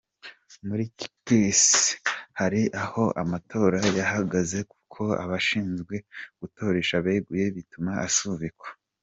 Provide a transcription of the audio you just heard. Muri Kisii, hari aho amatora yahagaze kuko abashinzwe gutoresha beguye bituma asubikwa.